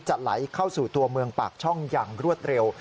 ไหลเข้าสู่ตัวเมืองปากช่องอย่างรวดเร็ว